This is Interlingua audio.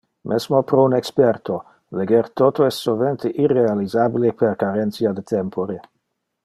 Mesmo pro un experte, leger toto es sovente irrealisabile per carentia de tempore.